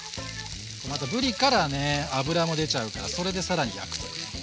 またぶりからね脂も出ちゃうからそれで更に焼くと。